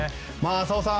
浅尾さん